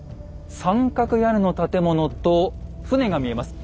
三角屋根の建物と船が見えます。